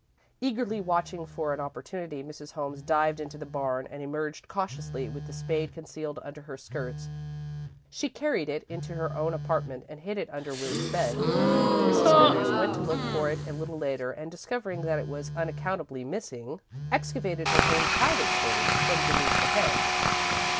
Eagerly watching for an opportunity, Mrs. Holmes dived into the barn, and emerged, cautiously, with the spade concealed under her skirts. She carried it into her own apartment and hid it under Willie's bed. Mrs. Smithers went to look for it a little later, and, discovering that it was unaccountably missing, excavated her own private spade from beneath the hay.